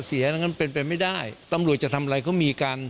แต่เพียงแต่เขาไม่ได้บอกไงไม่ได้บอกประชาชนว่าเค้าทำอะไรไปบ้าง